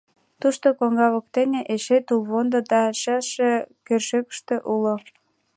— Тушто коҥга воктене эше тулвондо да шелше кӧршӧкышт уло.